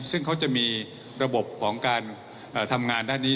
ซึ่งเขาจะมีระบบของการทำงานด้านนี้